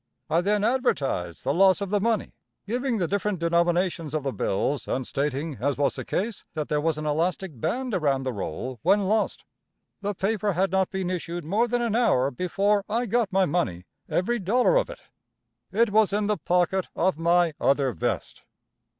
I then advertised the loss of the money, giving the different denominations of the bills and stating, as was the case, that there was an elastic band around the roll when lost. The paper had not been issued more than an hour before I got my money, every dollar of it. It was in the pocket of my other vest.